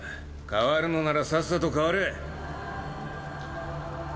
代わるのならさっさと代われ。